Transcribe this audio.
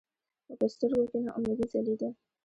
خو پۀ سترګو کښې ناامېدې ځلېده ـ